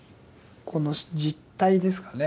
この集諦ですかね